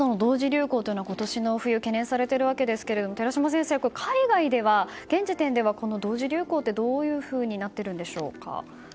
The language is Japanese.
流行というのが、今年の冬懸念されているわけですが寺嶋先生海外では現時点では同時流行はどのようになっているんでしょうか？